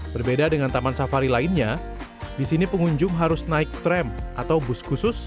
berbeda dengan taman safari lainnya di sini pengunjung harus naik tram atau bus khusus